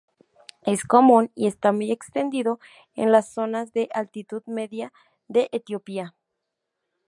Es común y está muy extendido en las zonas de altitud media de Etiopía.